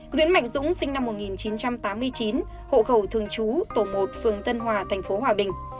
nguyễn mạnh dũng sinh năm một nghìn chín trăm tám mươi chín hộ khẩu thường trú tổ một phường tân hòa tp hòa bình